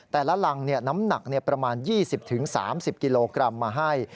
หลังรังน้ำหนักประมาณ๒๐๓๐กิโลกรัมมาให้